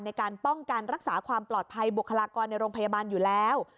ในการป้องกันรักษาความปลอดภัยบุคลากรในโรงพยาบาลอยู่แล้ว